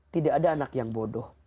tidak ada anak yang bodoh